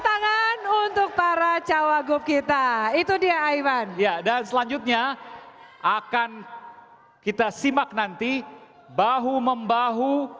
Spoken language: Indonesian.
tangan untuk para cawagup kita itu dia iman ya dan selanjutnya akan kita simak nanti bahu membahu